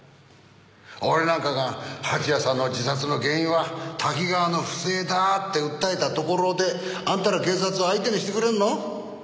俺なんかが蜂矢さんの自殺の原因はタキガワの不正だ！って訴えたところであんたら警察は相手にしてくれるの？